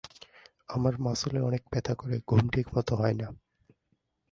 আমার মাসলে অনেক ব্যথা করে, ঘুম ঠিকমত হয় না।